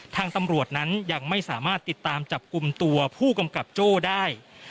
ทางตำรวจนั้นยังไม่สามารถติดตามจับกลุ่มตัวผู้กำกับโจ้ได้